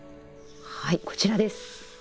はいこちらです。